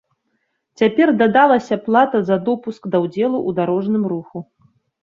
Цяпер дадалася плата за допуск да ўдзелу ў дарожным руху.